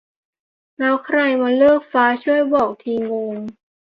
แล้วใครเลือกมันฟะ ? ช่วยบอกทีงง